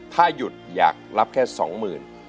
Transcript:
ถ้าหยุดอยากรับแค่๒หมื่น